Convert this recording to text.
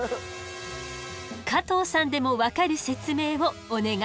加藤さんでも分かる説明をお願い。